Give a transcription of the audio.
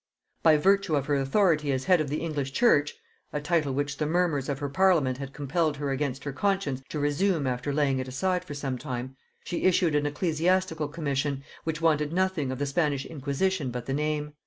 By virtue of her authority as head of the English church, a title which the murmurs of her parliament had compelled her against her conscience to resume after laying it aside for some time, she issued an ecclesiastical commission, which wanted nothing of the Spanish inquisition but the name.